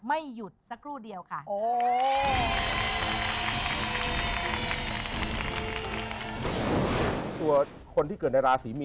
ไม่หยุดสักครู่เดียวค่ะ